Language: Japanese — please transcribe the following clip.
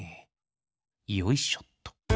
よいしょっと！